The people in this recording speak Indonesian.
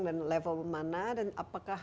dan level mana dan apakah